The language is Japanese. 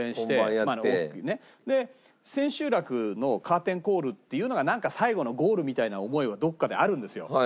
千秋楽のカーテンコールっていうのがなんか最後のゴールみたいな思いはどっかであるんですよ。